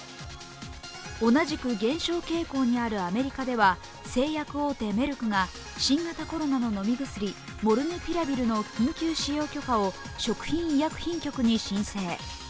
同じく減少傾向にあるアメリカでは製薬大手メルクが新型コロナの飲み薬、モルヌピラビルの緊急使用許可を食品医薬品局に申請。